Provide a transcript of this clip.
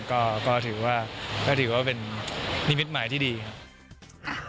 ก็ถือว่าเป็นนิมิตหมายที่ดีครับ